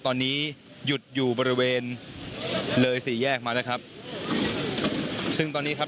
ตอนนี้หยุดอยู่บริเวณเลยสี่แยกมานะครับซึ่งตอนนี้ครับ